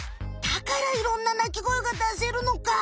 だからいろんな鳴き声がだせるのか。